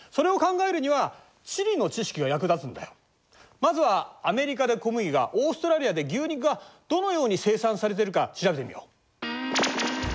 まずはアメリカで小麦がオーストラリアで牛肉がどのように生産されているか調べてみよう。